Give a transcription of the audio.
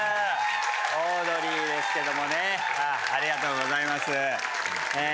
オードリーですけどもねあっありがとうございますえ